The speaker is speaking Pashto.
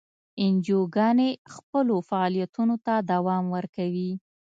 انجیوګانې خپلو فعالیتونو ته دوام ورکوي.